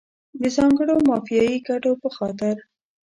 د ځانګړو مافیایي ګټو په خاطر.